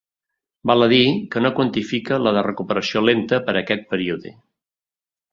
Val a dir que no quantifica la de recuperació lenta per a aquest període.